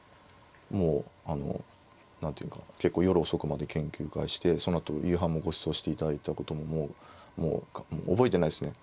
もうあの何ていうか結構夜遅くまで研究会してそのあと夕飯もごちそうしていただいたことももう覚えてないですね。